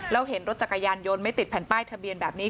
แล้วเห็นรถจักรยานยนต์ไม่ติดแผ่นป้ายทะเบียนแบบนี้